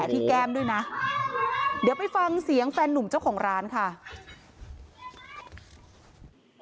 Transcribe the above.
แล้วก็มาก่อเหตุอย่างที่คุณผู้ชมเห็นในคลิปนะคะ